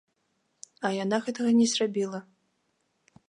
А яна гэтага не зрабіла.